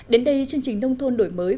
đến đây chương trình nông thôn đổi mới